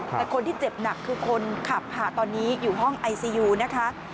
แต่คนที่เจ็บหนักคือคนขับค่ะตอนนี้อยู่ห้องไอซียูนะคะ